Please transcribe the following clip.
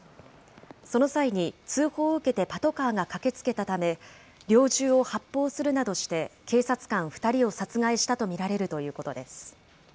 その際に、通報を受けてパトカーが駆けつけたため、猟銃を発砲するなどして警察官２人を殺害したと見られるということです。